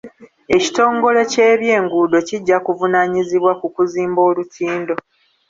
Ekitongole ky'ebyenguudo kijja kuvunaanyizibwa ku kuzimba olutindo.